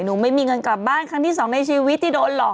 ไม่มีเงินกลับบ้านครั้งที่สองในชีวิตที่โดนหลอก